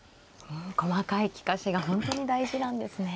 細かい利かしが本当に大事なんですね。